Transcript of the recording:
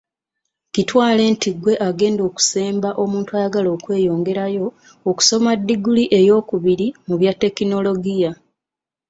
Kitwale nti ggwe agenda okusemba omuntu ayagala okweyongerayo okusoma ddiguli eyokubiri mu bya tekinologioya.